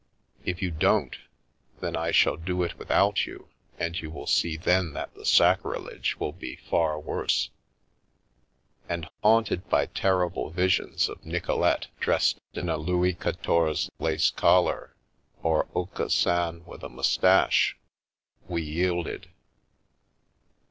If you don't, then I shall do it without you, and you will see then that the sacrilege will be far worse." And, haunted by terrible visions of Nic olete dressed in a Louis XIV. lace collar, or Aucassin with a moustache, we yielded.